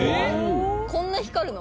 こんな光るの？